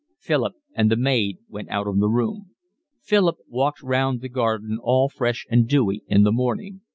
Philip and the maid went out of the room. Philip walked round the garden all fresh and dewy in the morning.